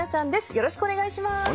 よろしくお願いします。